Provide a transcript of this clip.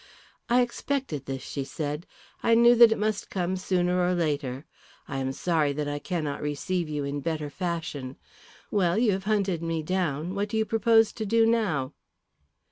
"I expected this," she said. "I knew that it must come sooner or later. I am sorry that I cannot receive you in better fashion. Well, you have hunted me down. What do you propose to do now?"